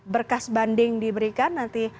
berkas banding diberikan nanti